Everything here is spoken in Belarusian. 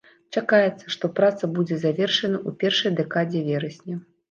Чакаецца, што праца будзе завершаная ў першай дэкадзе верасня.